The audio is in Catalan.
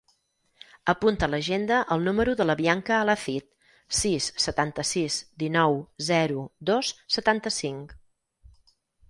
Apunta a l'agenda el número de la Bianca Alacid: sis, setanta-sis, dinou, zero, dos, setanta-cinc.